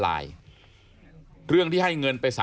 ร้องร้องร้องร้อง